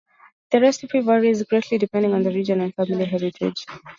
The recipe varies greatly depending on the region and family heritage.